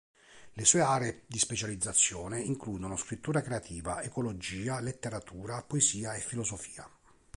Le sue aree di specializzazione includono scrittura creativa, ecologia, letteratura poesia e filosofia.